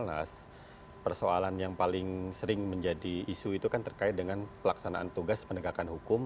nah persoalan yang paling sering menjadi isu itu kan terkait dengan pelaksanaan tugas penegakan hukum